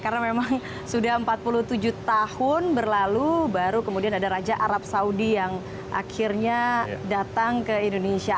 karena memang sudah empat puluh tujuh tahun berlalu baru kemudian ada raja arab saudi yang akhirnya datang ke indonesia